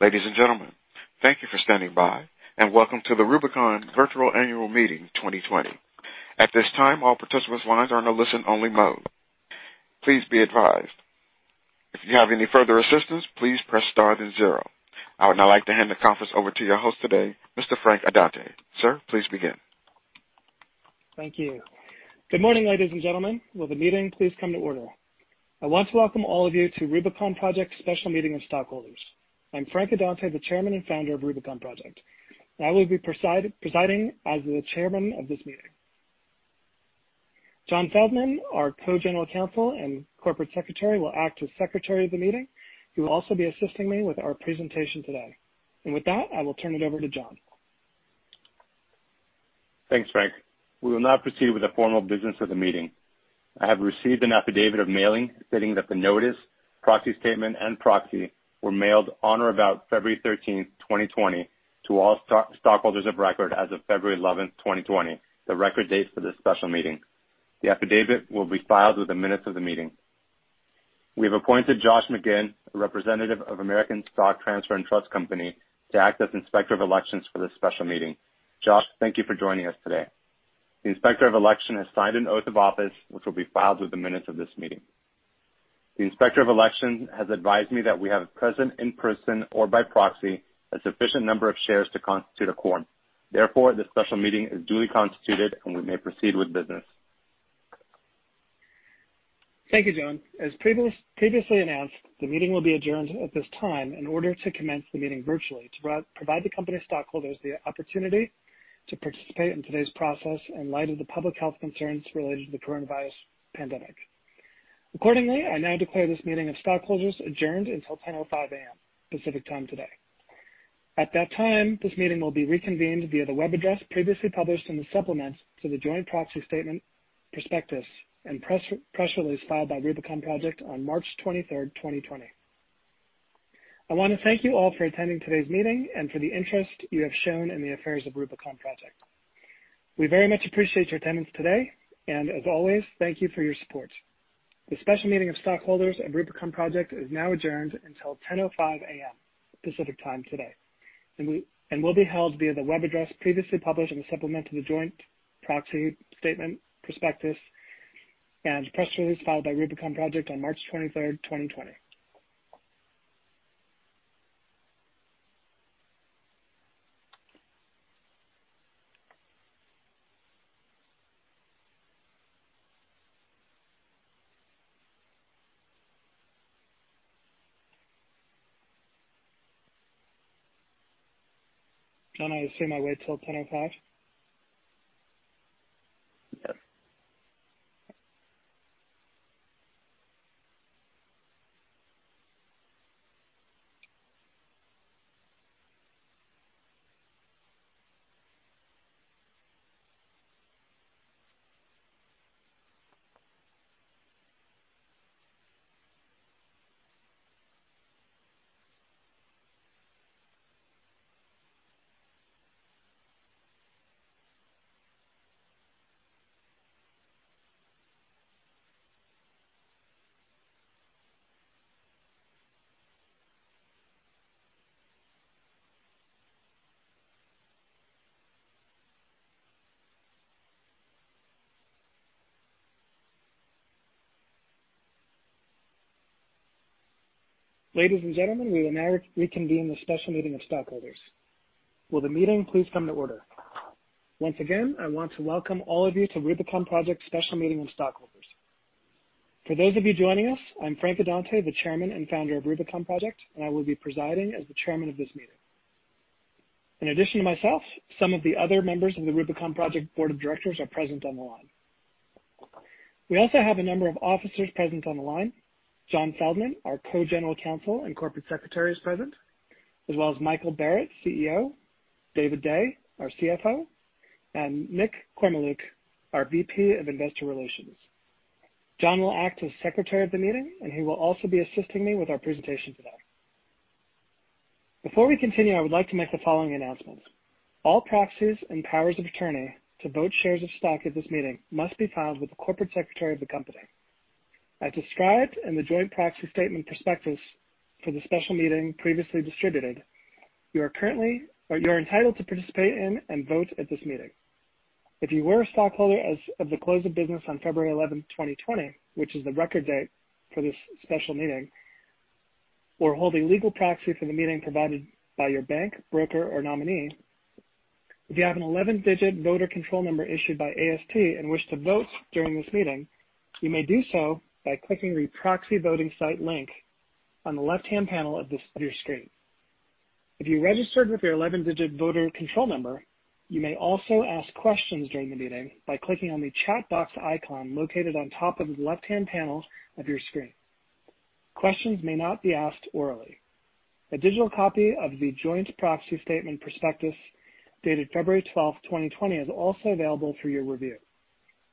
Ladies and gentlemen, thank you for standing by, and welcome to the Rubicon Virtual Annual Meeting 2020. At this time, all participants' lines are in a listen-only mode. Please be advised if you have any further assistance, please press star then zero. I would now like to hand the conference over to your host today, Mr. Frank Addante. Sir, please begin. Thank you. Good morning, ladies and gentlemen. Will the meeting please come to order? I want to welcome all of you to Rubicon Project's special meeting of stockholders. I'm Frank Addante, the Chairman and Founder of Rubicon Project. I will be presiding as the Chairman of this meeting. Jon Feldman, our Co-General Counsel and Corporate Secretary, will act as secretary of the meeting, who will also be assisting me with our presentation today. With that, I will turn it over to Jon. Thanks, Frank. We will now proceed with the formal business of the meeting. I have received an affidavit of mailing stating that the notice, proxy statement, and proxy were mailed on or about February 13, 2020, to all stockholders of record as of February 11, 2020, the record date for this special meeting. The affidavit will be filed with the minutes of the meeting. We have appointed Josh McGinn, a representative of American Stock Transfer & Trust Company, to act as Inspector of Elections for this special meeting. Josh, thank you for joining us today. The Inspector of Election has signed an oath of office, which will be filed with the minutes of this meeting. The Inspector of Election has advised me that we have present in person or by proxy, a sufficient number of shares to constitute a quorum. Therefore, this special meeting is duly constituted, and we may proceed with business. Thank you, Jon. As previously announced, the meeting will be adjourned at this time in order to commence the meeting virtually to provide the company stockholders the opportunity to participate in today's process in light of the public health concerns related to the coronavirus pandemic. Accordingly, I now declare this meeting of stockholders adjourned until 10:05 A.M. Pacific Time today. At that time, this meeting will be reconvened via the web address previously published in the supplement to the joint proxy statement prospectus and press release filed by Rubicon Project on March 23, 2020. I want to thank you all for attending today's meeting and for the interest you have shown in the affairs of Rubicon Project. We very much appreciate your attendance today, and as always, thank you for your support. The special meeting of stockholders at Rubicon Project is now adjourned until 10:05 A.M. Pacific Time today and will be held via the web address previously published in the supplement to the joint proxy statement prospectus and press release filed by Rubicon Project on March 23rd, 2020. Jon, are you saying I wait till 10:05? Yes. Ladies and gentlemen, we will now reconvene this special meeting of stockholders. Will the meeting please come to order? Once again, I want to welcome all of you to Rubicon Project's special meeting of stockholders. For those of you joining us, I'm Frank Addante, the chairman and founder of Rubicon Project, and I will be presiding as the chairman of this meeting. In addition to myself, some of the other members of the Rubicon Project board of directors are present on the line. We also have a number of officers present on the line. Jon Feldman, our co-general counsel and corporate secretary, is present, as well as Michael Barrett, CEO, David Day, our CFO, and Nick Kormeluk, our VP of Investor Relations. Jon will act as secretary of the meeting. He will also be assisting me with our presentation today. Before we continue, I would like to make the following announcements. All proxies and powers of attorney to vote shares of stock at this meeting must be filed with the corporate secretary of the company. As described in the joint proxy statement prospectus for the special meeting previously distributed, you are entitled to participate in and vote at this meeting if you were a stockholder as of the close of business on February 11, 2020, which is the record date for this special meeting, or hold a legal proxy for the meeting provided by your bank, broker, or nominee. If you have an 11-digit voter control number issued by AST and wish to vote during this meeting, you may do so by clicking the proxy voting site link on the left-hand panel of your screen. If you registered with your 11-digit voter control number, you may also ask questions during the meeting by clicking on the chat box icon located on top of the left-hand panel of your screen. Questions may not be asked orally. A digital copy of the joint proxy statement prospectus dated February 12th, 2020, is also available for your review.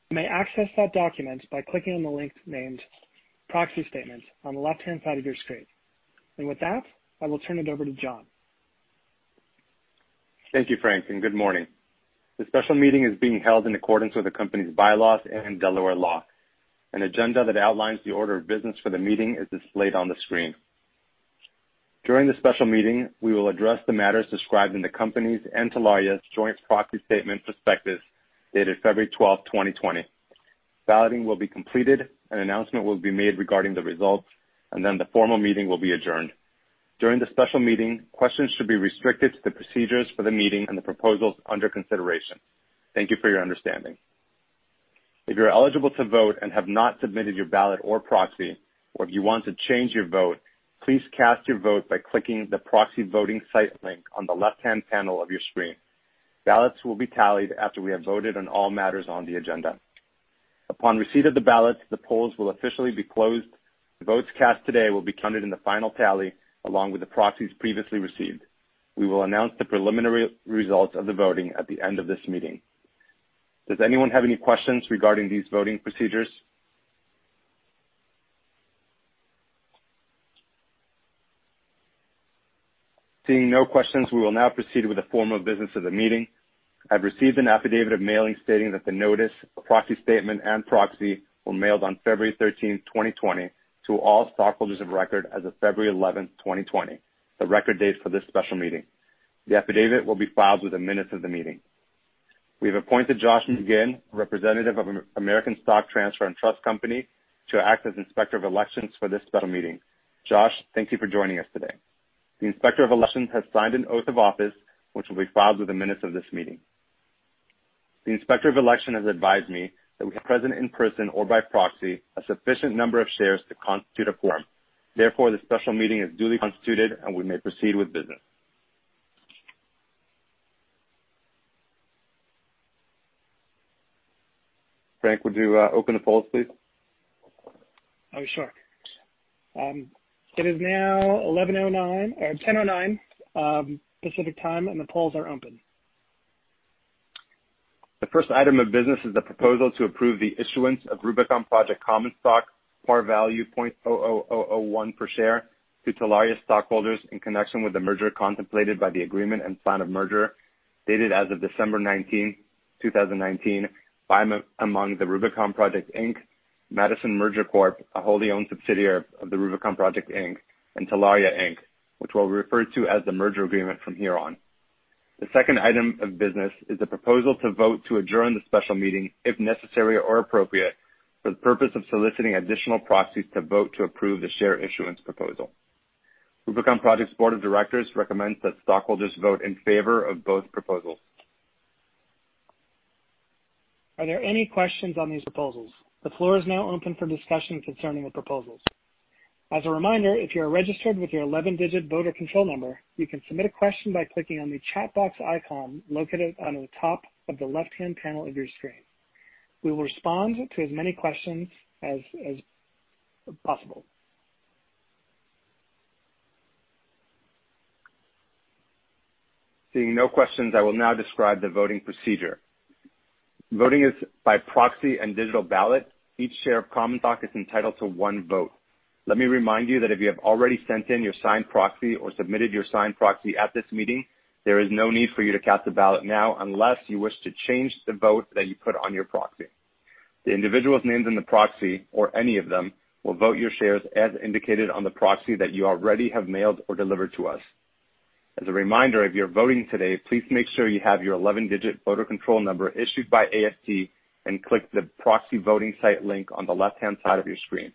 You may access that document by clicking on the link named Proxy Statement on the left-hand side of your screen. With that, I will turn it over to Jon. Thank you, Frank, and good morning. The special meeting is being held in accordance with the company's bylaws and Delaware law. An agenda that outlines the order of business for the meeting is displayed on the screen. During the special meeting, we will address the matters described in the company's and Telaria's joint proxy statement/prospectus dated February 12, 2020. Balloting will be completed, an announcement will be made regarding the results, and then the formal meeting will be adjourned. During the special meeting, questions should be restricted to the procedures for the meeting and the proposals under consideration. Thank you for your understanding. If you're eligible to vote and have not submitted your ballot or proxy, or if you want to change your vote, please cast your vote by clicking the proxy voting site link on the left-hand panel of your screen. Ballots will be tallied after we have voted on all matters on the agenda. Upon receipt of the ballots, the polls will officially be closed. The votes cast today will be counted in the final tally, along with the proxies previously received. We will announce the preliminary results of the voting at the end of this meeting. Does anyone have any questions regarding these voting procedures? Seeing no questions, we will now proceed with the formal business of the meeting. I've received an affidavit of mailing stating that the notice of proxy statement and proxy were mailed on February 13, 2020 to all stockholders of record as of February 11, 2020, the record date for this special meeting. The affidavit will be filed with the minutes of the meeting. We have appointed Josh McGinn, representative of American Stock Transfer & Trust Company, to act as Inspector of Elections for this special meeting. Josh, thank you for joining us today. The Inspector of Elections has signed an oath of office, which will be filed with the minutes of this meeting. The Inspector of Elections has advised me that we have present in person or by proxy a sufficient number of shares to constitute a quorum. Therefore, this special meeting is duly constituted, and we may proceed with business. Frank, would you open the polls, please? Oh, sure. It is now 10:09 Pacific Time, and the polls are open. The first item of business is the proposal to approve the issuance of Rubicon Project common stock, par value 0.0001 per share, to Telaria stockholders in connection with the merger contemplated by the agreement and plan of merger dated as of December 19, 2019, among The Rubicon Project, Inc., Madison Merger Corp., a wholly owned subsidiary of The Rubicon Project, Inc., and Telaria, Inc., which we'll refer to as the merger agreement from here on. The second item of business is the proposal to vote to adjourn the special meeting, if necessary or appropriate, for the purpose of soliciting additional proxies to vote to approve the share issuance proposal. Rubicon Project's board of directors recommends that stockholders vote in favor of both proposals. Are there any questions on these proposals? The floor is now open for discussion concerning the proposals. As a reminder, if you are registered with your 11-digit voter control number, you can submit a question by clicking on the chat box icon located on the top of the left-hand panel of your screen. We will respond to as many questions as possible. Seeing no questions, I will now describe the voting procedure. Voting is by proxy and digital ballot. Each share of common stock is entitled to one vote. Let me remind you that if you have already sent in your signed proxy or submitted your signed proxy at this meeting, there is no need for you to cast a ballot now unless you wish to change the vote that you put on your proxy. The individuals named in the proxy, or any of them, will vote your shares as indicated on the proxy that you already have mailed or delivered to us. As a reminder, if you're voting today, please make sure you have your 11-digit voter control number issued by AST and click the proxy voting site link on the left-hand side of your screen.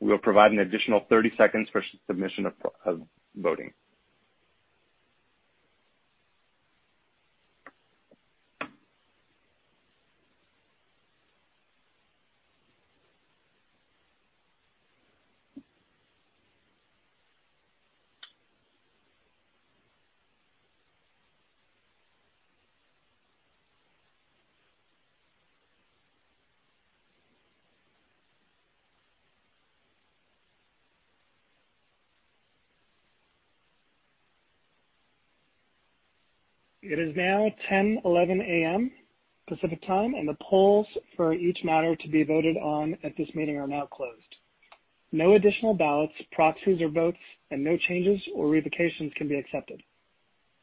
We will provide an additional 30 seconds for submission of voting. It is now 10:11 A.M. Pacific Time, and the polls for each matter to be voted on at this meeting are now closed. No additional ballots, proxies, or votes, and no changes or revocations can be accepted.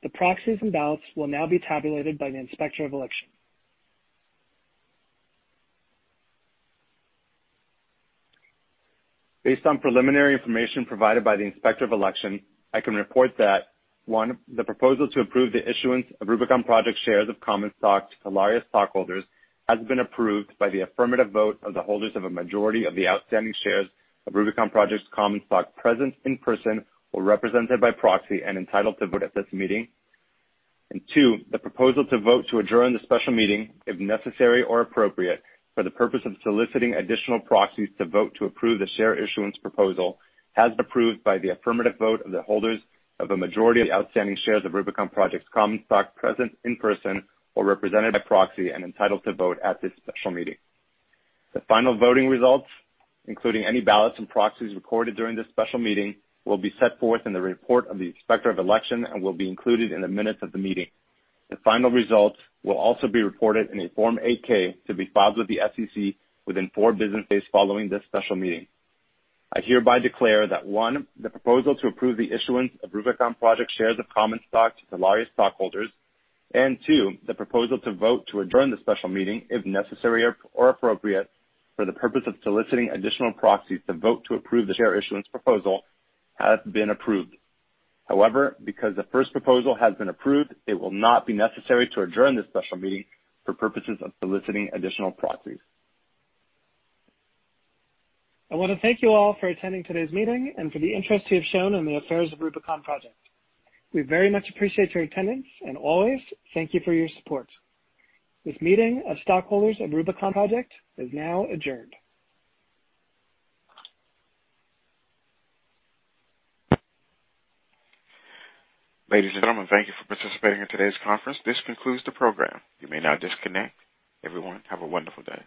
The proxies and ballots will now be tabulated by the Inspector of Elections. Based on preliminary information provided by the Inspector of Election, I can report that, one, the proposal to approve the issuance of Rubicon Project shares of common stock to Telaria stockholders has been approved by the affirmative vote of the holders of a majority of the outstanding shares of Rubicon Project's common stock present in person or represented by proxy and entitled to vote at this meeting. Two, the proposal to vote to adjourn the special meeting, if necessary or appropriate, for the purpose of soliciting additional proxies to vote to approve the share issuance proposal, has been approved by the affirmative vote of the holders of a majority of the outstanding shares of Rubicon Project's common stock present in person or represented by proxy and entitled to vote at this special meeting. The final voting results, including any ballots and proxies recorded during this special meeting, will be set forth in the report of the Inspector of Elections and will be included in the minutes of the meeting. The final results will also be reported in a Form 8-K to be filed with the SEC within four business days following this special meeting. I hereby declare that, one, the proposal to approve the issuance of Rubicon Project shares of common stock to Telaria stockholders, and two, the proposal to vote to adjourn the special meeting, if necessary or appropriate, for the purpose of soliciting additional proxies to vote to approve the share issuance proposal, has been approved. Because the first proposal has been approved, it will not be necessary to adjourn this special meeting for purposes of soliciting additional proxies. I want to thank you all for attending today's meeting and for the interest you have shown in the affairs of Rubicon Project. We very much appreciate your attendance, and always, thank you for your support. This meeting of stockholders of Rubicon Project is now adjourned. Ladies and gentlemen, thank you for participating in today's conference. This concludes the program. You may now disconnect. Everyone, have a wonderful day.